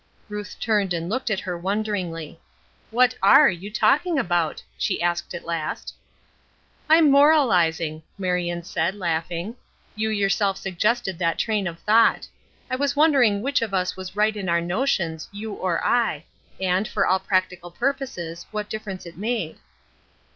Ruth turned and looked at her wonderingly. "What are you talking about?" she asked at last. "I'm moralizing," Marion said, laughing. "You yourself suggested that train of thought. I was wondering which of us was right in our notions, you or I; and, for all practical purposes, what difference it made."